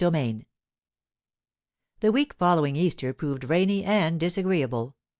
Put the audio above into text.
CHAPTER XII THE week following Easter proved rainy and disagreeable.